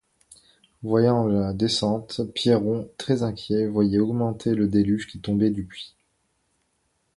Depuis la descente, Pierron, très inquiet, voyait augmenter le déluge qui tombait du puits.